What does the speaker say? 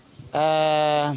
sistem penerbitan surat